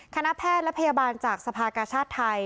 คณะแพทย์และพยาบาลจากสภากชาติไทย